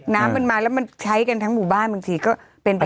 น้ำมันมาแล้วมันใช้กันทั้งหมู่บ้านบางทีก็เป็นไป